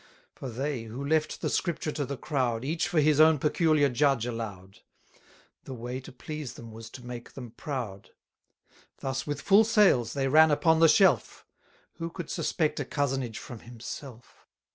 For they, who left the Scripture to the crowd, Each for his own peculiar judge allow'd; The way to please them was to make them proud. Thus, with full sails, they ran upon the shelf: Who could suspect a cozenage from himself?